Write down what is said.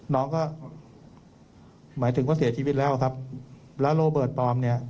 น้องก็หมายถึงว่าเสียชีวิตแล้วครับแล้วโรเบิร์ตปลอมเนี่ย